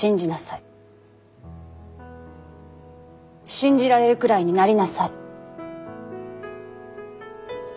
信じられるくらいになりなさい。